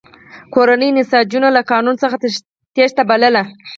کورنیو نساجانو له قانون څخه تېښته بلله.